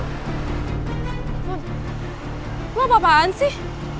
mun lo apa apaan sih